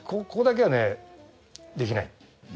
ここだけはねできない。